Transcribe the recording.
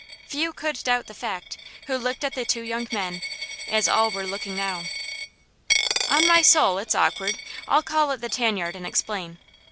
Few could doubt that fact, who looked at the two young men, as all were looking now. "On my soul, it's awkward I'll call at the tan yard and explain."